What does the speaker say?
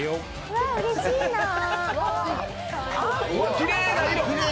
きれいな色！